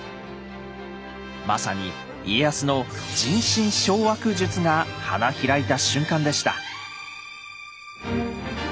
まさに家康の人心掌握術が花開いた瞬間でした。